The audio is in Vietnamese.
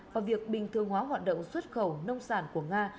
và việc bình thường hóa hoạt động xuất khẩu nông sản của nga